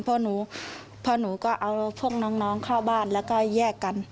เพราะหนูก็เอาพวกน้องเข้าบ้านแล้วก็แยกกัน